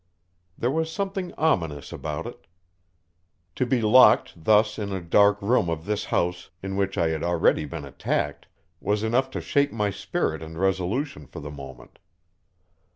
There was something ominous about it. To be locked, thus, in a dark room of this house in which I had already been attacked, was enough to shake my spirit and resolution for the moment.